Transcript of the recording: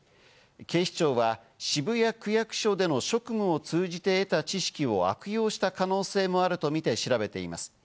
警視庁は渋谷区役所での職務を通じて得た知識を悪用した可能性もあるとみて調べています。